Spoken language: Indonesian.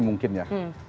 ya mungkin ya